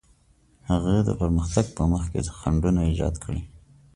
هغه پرمختګ په مخ کې خنډونه ایجاد کړي.